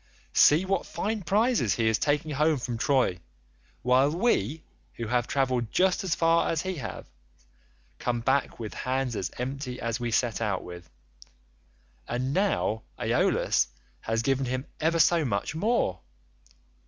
See what fine prizes he is taking home from Troy, while we, who have travelled just as far as he has, come back with hands as empty as we set out with—and now Aeolus has given him ever so much more.